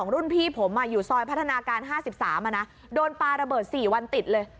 รุ่นพี่ผมอ่ะอยู่ซอยพัฒนาการห้าสิบสามอ่ะนะโดนปลาระเบิดสี่วันติดเลย